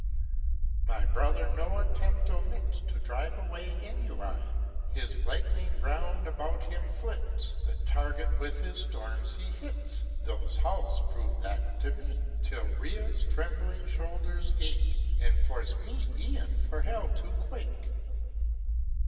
"My brother no attempt omits To drive away ennui; His lightning round about him flits, The target with his storms he hits (Those howls prove that to me), Till Rhea's trembling shoulders ache, And force me e'en for hell to quake.